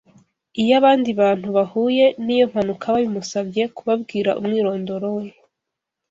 Iyo abandi Bantu bahuye n'iyo mpanuka babimusabye, kubabwira umwirondoro we